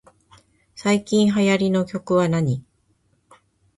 最近流行りの曲はなに